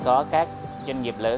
để có được các doanh nghiệp lớn